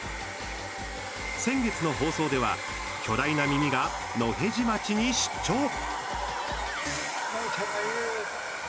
先月の放送では、巨大な耳が野辺地町に出張！